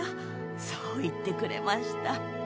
そう言ってくれました。